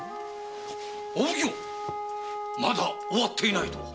お奉行⁉「まだ終わっていない」とは？